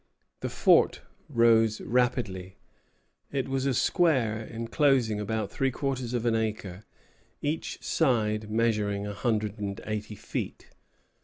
The fort rose rapidly. It was a square enclosing about three quarters of an acre, each side measuring a hundred and eighty feet.